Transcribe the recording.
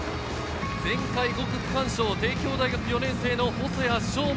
前回５区区間賞、帝京大学４年生の細谷翔